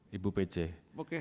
memeriksa ibu pece